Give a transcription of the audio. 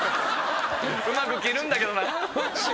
うまく着るんだけどな。